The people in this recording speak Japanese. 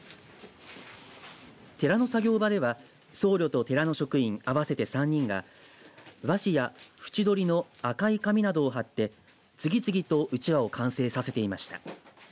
寺の作業場では僧侶と寺の職員合わせて３人が和紙や縁取りの赤い紙などを貼って次々とうちわを完成させていました。